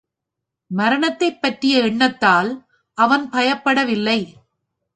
மரணத்தைப் பற்றிய எண்ணத்தால் அவன் பயப்படவில்லை.